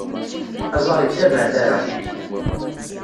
Aẓar ittabaɛ tara.